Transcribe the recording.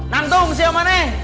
nantung si omah nih